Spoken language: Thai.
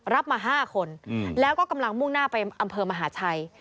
รับมา๕คนแล้วก็กำลังมุ่งหน้าไปอำเภอมหาชัย